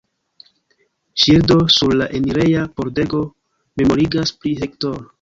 Ŝildo sur la enireja pordego memorigas pri Hector.